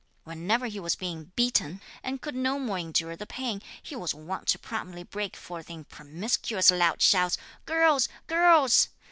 Whenever he was being beaten, and could no more endure the pain, he was wont to promptly break forth in promiscuous loud shouts, 'Girls! girls!'